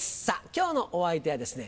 今日のお相手はですね